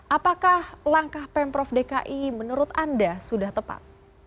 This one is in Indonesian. apakah langkah pemprov dki menurut anda sudah tepat